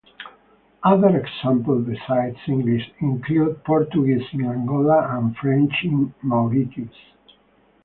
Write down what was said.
Other examples besides English include Portuguese in Angola and French in Mauritius.